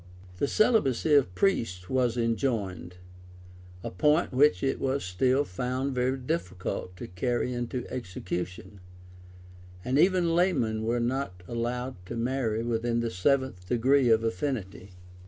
The celibacy of priests was enjoined; a point which it was still found very difficult to carry into execution; and even laymen were not allowed to marry within the seventh degree of affinity.